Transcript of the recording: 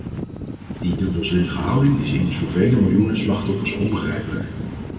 Die dubbelzinnige houding is immers voor vele miljoenen slachtoffers onbegrijpelijk.